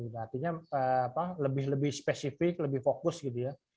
artinya lebih spesifik lebih fokus gitu ya